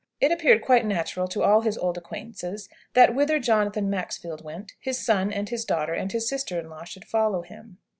It appeared quite natural to all his old acquaintances that, whither Jonathan Maxfield went, his son, and his daughter, and his sister in law should follow him.